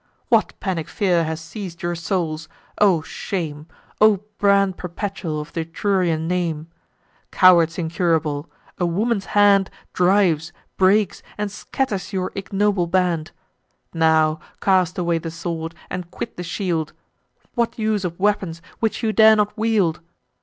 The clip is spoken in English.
"What panic fear has seiz'd your souls? O shame, O brand perpetual of th' Etrurian name! Cowards incurable, a woman's hand Drives, breaks, and scatters your ignoble band! Now cast away the sword, and quit the shield! What use of weapons which you dare not wield?